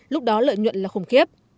lúc đó lợi nhuận là khủng khiếp